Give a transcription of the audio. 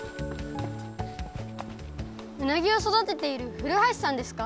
うなぎを育てている古橋さんですか？